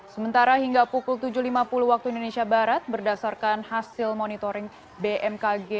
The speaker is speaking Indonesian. sementara hingga pukul tujuh lima puluh waktu indonesia barat berdasarkan hasil monitoring bmkg